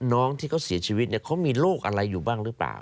น้องที่เขาเสียชีวิตเขามีโรคอะไรอยู่บ้างหรือเปล่า